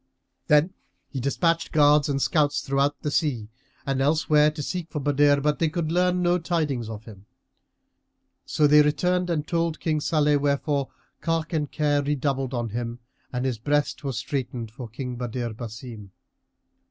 Then he despatched guards and scouts throughout the sea and elsewhere to seek for Badr; but they could learn no tidings of him; so they returned and told King Salih, wherefore cark and care redoubled on him and his breast was straitened for King Badr Basim.